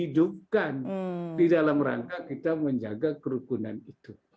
hidupkan di dalam rangka kita menjaga kerukunan itu